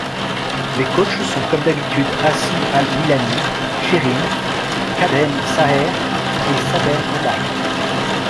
Les coachs sont comme d'habitude Assi Al Hillani, Sherine, Kadhem Saher et Saber Rebaï.